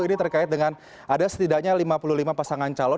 ini terkait dengan ada setidaknya lima puluh lima pasangan calon